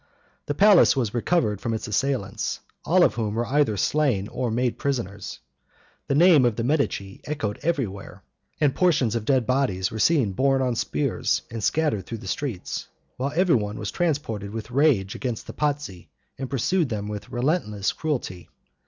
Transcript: The palace was recovered from its assailants, all of whom were either slain or made prisoners. The name of the Medici echoed everywhere, and portions of dead bodies were seen borne on spears and scattered through the streets; while everyone was transported with rage against the Pazzi, and pursued them with relentless cruelty.